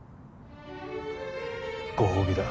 ご褒美だ。